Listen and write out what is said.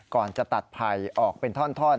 ก่อนจะตัดไผ่ออกเป็นท่อน